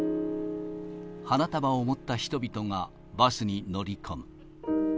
花束を持った人々がバスに乗り込む。